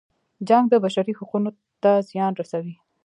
جنګ د بشري حقونو ته زیان رسوي.